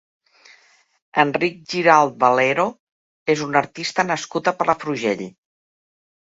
Enric Giralt Valero és un artista nascut a Palafrugell.